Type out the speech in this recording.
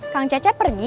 kang cecep pergi